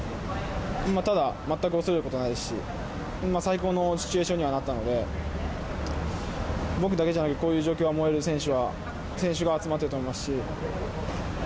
ただ、全く恐れることはないですし最高のシチュエーションにはなったので僕だけじゃなくてこういう状況が燃える選手が集まっていると思いますし。